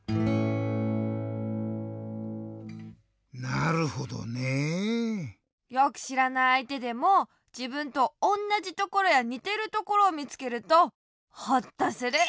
なるほどね。よくしらないあいてでもじぶんとおんなじところやにてるところをみつけるとホッとする。